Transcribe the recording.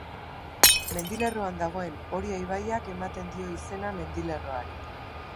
Mendilerroan dagoen Oria ibaiak ematen dio izena mendilerroari.